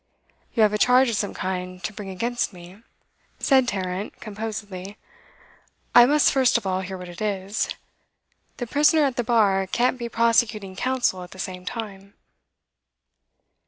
'You have a charge of some kind to bring against me,' said Tarrant composedly. 'I must first of all hear what it is. The prisoner at the bar can't be prosecuting counsel at the same time.